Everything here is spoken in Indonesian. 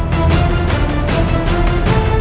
terima kasih raden